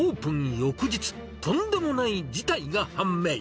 翌日、とんでもない事態が判明。